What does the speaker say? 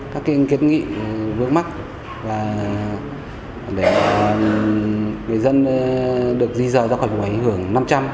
các cái kết nghị vướng mắt và để người dân được di dời ra khỏi quầy hưởng năm trăm linh